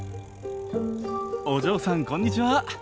お嬢さんこんにちは！